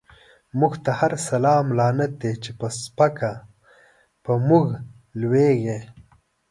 موږ ته هر سلام لعنت دی، چی په سپکه په موږ لويږی